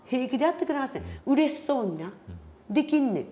うれしそうになできんねん。